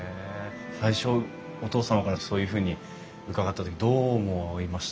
最初お父様からそういうふうに伺った時どう思いました？